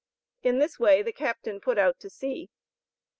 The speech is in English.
In this way the Captain put out to sea.